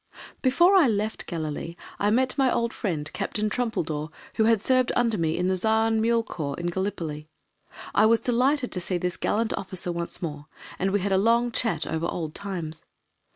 Before I left Galilee I met my old friend, Captain Trumpeldor, who had served under me in the Zion Mule Corps in Gallipoli. I was delighted to see this gallant officer once more, and we had a long chat over old times.